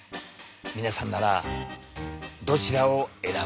皆さんならどちらを選ぶかな？